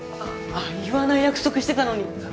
言わない約束してたのに！